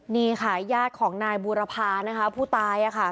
นี่ค่ะญาติของนายบุรพานะครับผู้ตายอะค่ะ